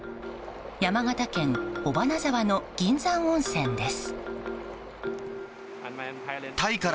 山形県尾花沢の銀山温泉です。